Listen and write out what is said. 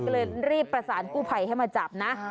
ก็เลยรีบประสานกู้ภัยให้มาจับนะ